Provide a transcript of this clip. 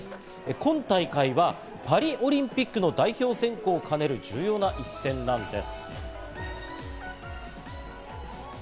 今大会はパリオリンピックの代表選考を兼ねる重要な一戦なんです。